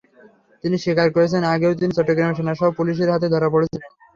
তিনি স্বীকার করেছেন, আগেও তিনি চট্টগ্রামে সোনাসহ পুলিশের হাতে ধরা পড়েছিলেন।